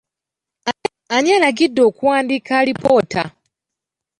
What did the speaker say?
Ani alagidde okuwandiika alipoota?